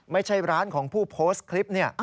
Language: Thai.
ไม่ใช่ร้านของผู้โพสต์คลิปเนี่ย